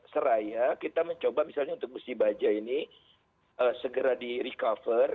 seraya kita mencoba misalnya untuk besi baja ini segera di recover